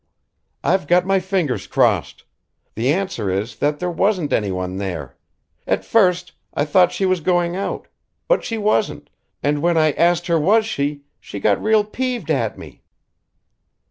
"I've got my fingers crossed. The answer is that there wasn't any one there. At first I thought she was going out but she wasn't, and when I asked her was she, she got real peeved at me."